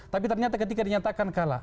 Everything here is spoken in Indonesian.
tapi ternyata ketika dinyatakan kalah